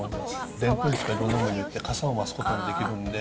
でんぷん質とかいろんなものを入れてかさを増すことができるんで。